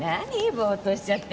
ぼーっとしちゃって。